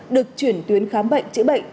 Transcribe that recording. được chuyển tuyến khám bệnh chữ bệnh